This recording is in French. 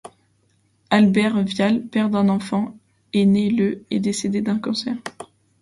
Albert Vial, père d'un enfant, est né le et décédé d'un cancer.